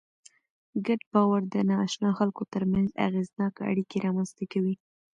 ګډ باور د ناآشنا خلکو تر منځ اغېزناکه اړیکې رامنځ ته کوي.